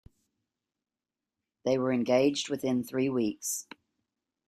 They were engaged within three weeks.